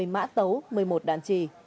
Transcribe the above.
một mươi mã tấu một mươi một đạn trì